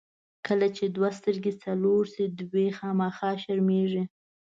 کله چې دوه سترګې څلور شي، دوې خامخا شرمېږي.